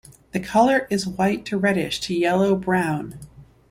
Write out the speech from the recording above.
The color is white to reddish to yellow brown.